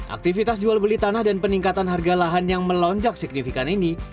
aktivitas jual beli tanah dan peningkatan harga lahan yang melonjak signifikan ini